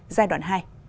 giai đoạn hai